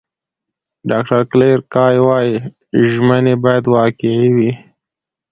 ډاکټره کلیر کای وايي، ژمنې باید واقعي وي.